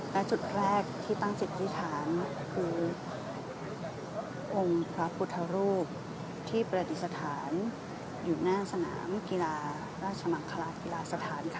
และจุดแรกที่ตั้งจิตอธิษฐานคือองค์พระพุทธรูปที่ประดิษฐานอยู่หน้าสนามกีฬาราชมังคลากีฬาสถานค่ะ